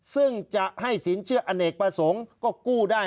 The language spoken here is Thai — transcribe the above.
ซึ่งจะให้สินเชื่ออเนกประสงค์ก็กู้ได้